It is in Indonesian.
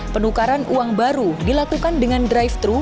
penukaran uang baru dilakukan dengan drive thru